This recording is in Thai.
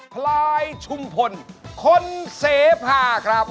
พลายชุมพลคนเสพาครับ